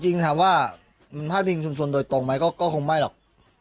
จริงถามว่ามันพาดพิงชุมชนโดยตรงไหมก็คงไม่หรอก